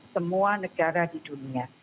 semua negara di dunia